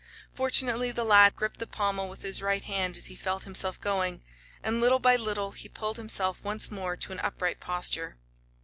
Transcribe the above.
Fortunately, the lad gripped the pommel with his right hand as he felt himself going, and little by little he pulled himself once more to an upright posture.